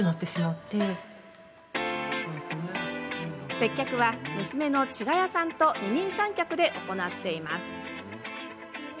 接客は、娘のちがやさんと二人三脚で行っています。